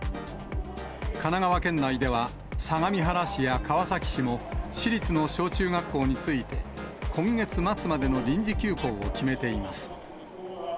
神奈川県内では相模原市や川崎市も、市立の小中学校について、今月末までの臨時休校を決めています。